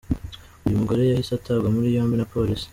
Uyu mugore yahise atabwa muri yombi na polisi.